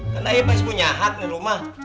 karena abang masih punya hak di rumah